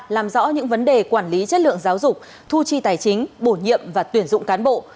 làm rõ những vấn đề quản lý chất lượng giáo dục thu chi tài chính bổ nhiệm và tuyển dụng cán bộ